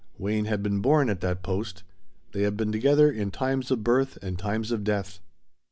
Wayne had been born at that post. They had been together in times of birth and times of death.